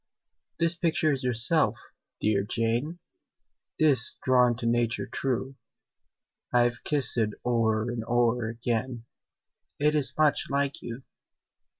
"This picture is yourself, dear Jane 'Tis drawn to nature true: I've kissed it o'er and o'er again, It is much like you."